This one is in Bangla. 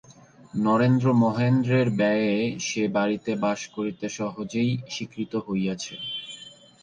নরেন্দ্র মহেন্দ্রের ব্যয়ে সে বাড়িতে বাস করিতে সহজেই স্বীকৃত হইয়াছে।